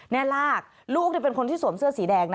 ลากลูกเป็นคนที่สวมเสื้อสีแดงนะ